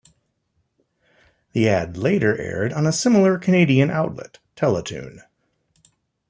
The ad later aired on a similar Canadian outlet, Teletoon.